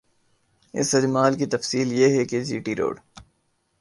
اس اجمال کی تفصیل یہ ہے کہ جی ٹی روڈ